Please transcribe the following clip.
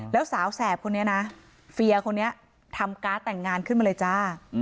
แล้วสาวแสบคนนี้นะเฟียร์คนนี้ทำการ์ดแต่งงานขึ้นมาเลยจ้า